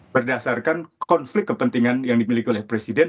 berdasarkan konflik kepentingan yang dimiliki oleh presiden